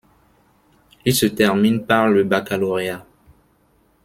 Ils se terminent par le baccalauréat.